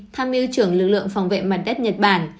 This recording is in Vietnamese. tham yêu trưởng lực lượng phòng vệ mặt đất nhật bản